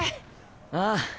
ああ。